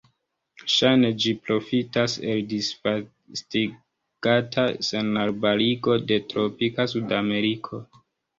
Ŝajne ĝi profitas el disvastigata senarbarigo de tropika Sudameriko.